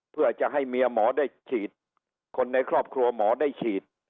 เพื่อจะให้เมียหมอได้ฉีดคนในครอบครัวหมอได้ฉีด